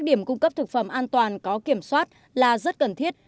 điểm cung cấp thực phẩm an toàn có kiểm soát là rất cần thiết